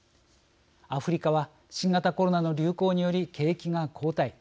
アフリカは新型コロナの流行により景気が後退。